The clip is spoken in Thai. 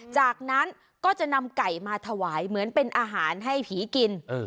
จากนั้นก็จะนำไก่มาถวายเหมือนเป็นอาหารให้ผีกิน